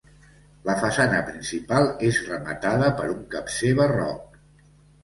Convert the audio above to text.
La façana principal és rematada per un capcer barroc.